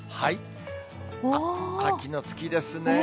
秋の月ですね。